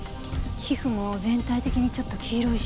皮膚も全体的にちょっと黄色いし。